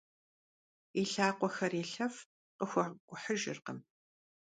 И лъакъуэхэр елъэф, къыхуэкӏухьыжыркъым.